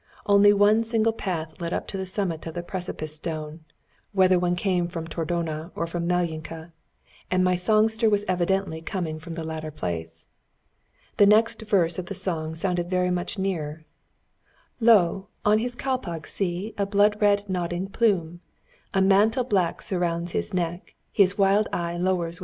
Only one single path led up to the summit of the Precipice Stone, whether one came from Tordona or from Malyinka, and my songster was evidently coming from the latter place. The next verse of the song sounded very much nearer: "Lo! on his kalpag see A blood red nodding plume; A mantle black surrounds his neck, His wild eye lowers with gloom."